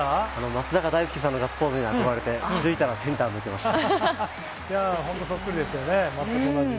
松坂大輔さんのガッツポーズに憧れて、気がついたらセンターを向いていました。